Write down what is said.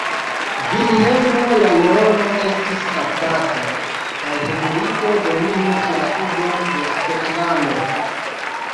Vilhelmo la Leono estis kaptata, kaj Henriko dominis la sudon de Skotlando.